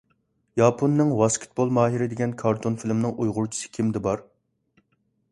ياپوننىڭ «ۋاسكېتبول ماھىرى» دېگەن كارتون فىلىمىنىڭ ئۇيغۇرچىسى كىمدە بار؟